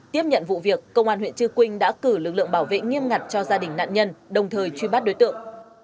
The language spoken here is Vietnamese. tiếp nhận vụ việc công an huyện trư quynh đã cử lực lượng bảo vệ nghiêm ngặt cho gia đình nạn nhân đồng thời truy bắt đối tượng